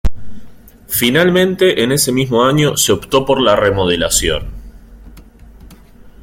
Finalmente en ese mismo año se optó por la remodelación.